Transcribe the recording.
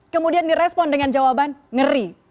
kemudian direspon dengan jawaban ngeri